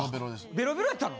ベロベロやったの？